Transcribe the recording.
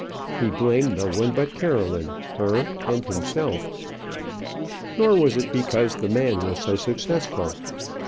He blamed no one but Caroline her and himself. Nor was it because the man was so successful.